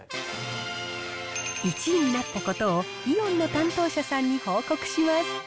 １位になったことを、イオンの担当者さんに報告します。